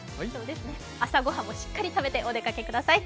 朝ごはんもしっかり食べてお出かけください。